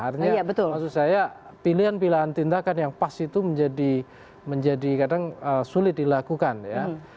artinya maksud saya pilihan pilihan tindakan yang pas itu menjadi kadang sulit dilakukan ya